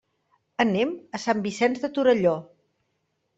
Anem a Sant Vicenç de Torelló.